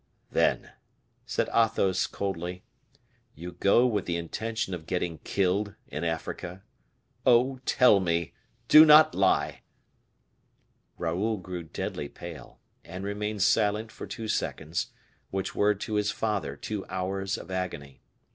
"Then," said Athos, coldly, "you go with the intention of getting killed in Africa? Oh, tell me! do not lie!" Raoul grew deadly pale, and remained silent for two seconds, which were to his father two hours of agony.